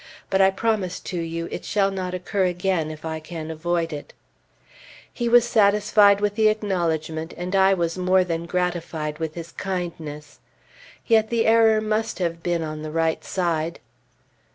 But I promise to you it shall not occur again if I can avoid it." He was satisfied with the acknowledgment, and I was more than gratified with his kindness. Yet the error must have been on the right side!